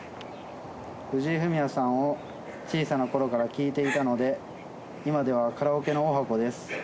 藤井フミヤさんを小さなころから聴いていたので今ではカラオケの十八番です。